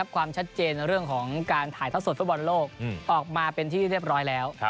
ความชัดเจนเรื่องของการถ่ายท่อสดฟุตบอลโลกออกมาเป็นที่เรียบร้อยแล้ว